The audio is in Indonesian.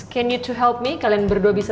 can you two help me kalian berdua bisa